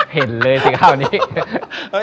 เห็นเลยสิคะวันนี้